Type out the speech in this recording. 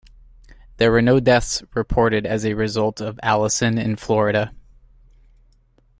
There were no deaths reported as a result of Allison in Florida.